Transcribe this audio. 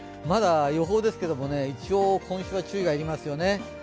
まだ予報ですけども、一応、今週は注意が要りますよね。